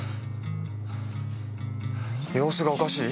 様子がおかしい？